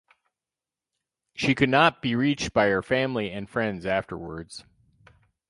She could not be reached by her family and friends afterwards.